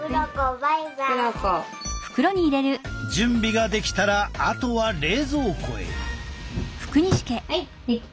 準備ができたらあとは冷蔵庫へ。